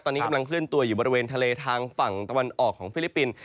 ตอนนี้กำลังเคลื่อนตัวอยู่บริเวณทะเลทางฝั่งตะวันออกของฟิลิปปินส์